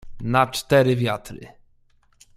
"Na cztery wiatry!"